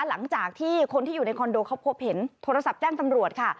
หลังจากที่คนที่อยู่ในคอนโดเขาพบเห็นโทรศัพท์แจ้งตำรวจค่ะ